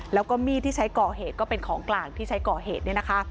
แล้วก็มีดที่ใช้ก่อเหตุก็เป็นของกลางที่ใช้ก่อเหตุเนี่ยนะคะ